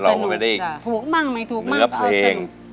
เราไม่ได้เนื้อเพลง